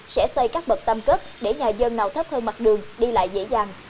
sẽ xây các bậc tam cấp để nhà dân nào thấp hơn mặt đường đi lại dễ dàng